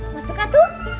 masuk gak tuh